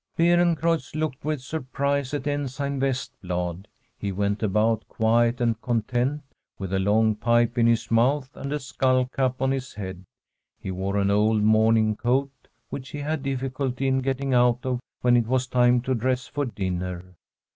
Beerencreutz looked with surprise at Ensign Vestblad. He went about quiet and content, with a long pipe in his mouth and a skull cap on his head. He wore an old morning coat, which he had difficulty in getting out of when it was time to dress for dinner.